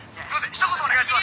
ひと言お願いします！」。